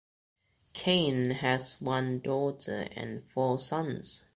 Kane has one daughter and four sons.